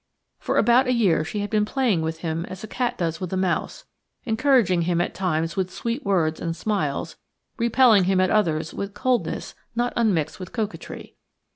For about a year she had been playing with him as a cat does with a mouse; encouraging him at times with sweet words and smiles, repelling him at others with coldness not unmixed with coquetry.